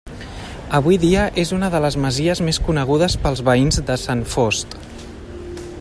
Avui dia és una de les masies més conegudes pels veïns de Sant Fost.